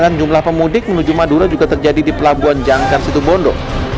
peningkatan jumlah pemudik menuju madura juga terjadi di pelabuhan jangkar situbondo